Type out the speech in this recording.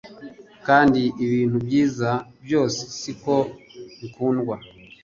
Kandi ibintu byiza byose siko bikundwa